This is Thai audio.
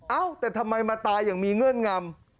เอ้าแต่ทำไมมาตายอย่างมีเงื่อนงำ